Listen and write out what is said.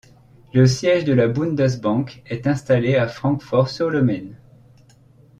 Le siège de la Bundesbank est installé à Francfort-sur-le-Main.